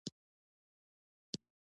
دوی د هند او روم سره اړیکې درلودې